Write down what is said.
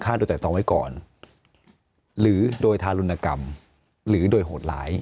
แต่ตองไว้ก่อนหรือโดยทารุณกรรมหรือโดยโหดร้าย